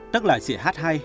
tức là chỉ hát hay